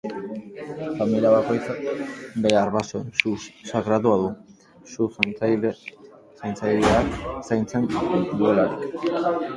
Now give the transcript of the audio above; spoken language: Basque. Familia bakoitzak bere arbasoen su sakratua du, su-zaintzaileak zaintzen duelarik.